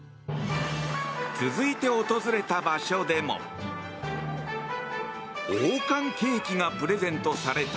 続いて訪れた場所でも王冠ケーキがプレゼントされた。